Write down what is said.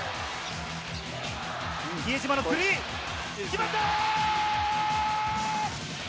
比江島のスリー、決まったー！